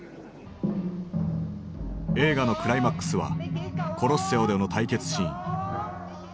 映画のクライマックスはコロッセオでの対決シーン。